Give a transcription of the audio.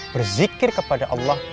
berzikir kepada allah